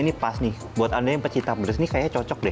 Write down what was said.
nih pas nih buat anda yang pecinta beres nih kayak cocok deh